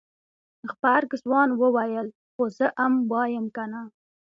غبرګ ځوان وويل خو زه ام وايم کنه.